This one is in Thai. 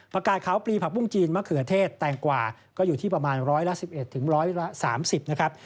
กาดขาวปลีผักบุ้งจีนมะเขือเทศแตงกว่าก็อยู่ที่ประมาณร้อยละ๑๑ถึง๑๓๐นะครับ